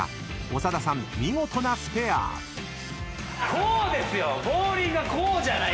こうですよ！